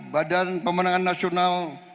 badan pemenangan nasional